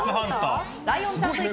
ライオンちゃんと行く！